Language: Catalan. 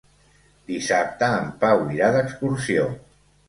Dissabte en Pau irà d'excursió.